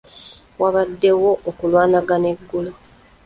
Waabaddewo okulwanagana eggulo.